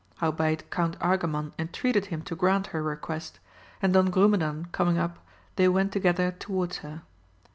Howbeit Count Argamon entreated bim to grant her request, and Don Grumedan coming up, they went together towards her.